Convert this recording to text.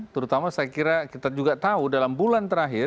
terutama saya kira kita juga tahu dalam bulan terakhir